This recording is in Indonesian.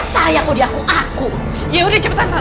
saya aku aku aku ya udah cepet banget sih